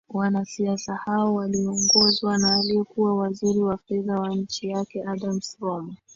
wanasiasa hao waliongozwa na aliyekuwa waziri wa fedha wa nchi yake adams roma